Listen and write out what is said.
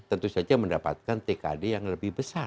tentu saja mendapatkan tkd yang lebih besar